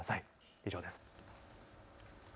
以上です。